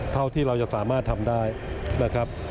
เท่าที่เราจะสามารถทำได้นะครับ